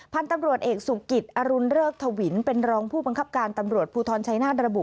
พันธุ์ตำรวจเอกสุกิตอรุณเริกทวินเป็นรองผู้บังคับการตำรวจภูทรชัยนาธระบุ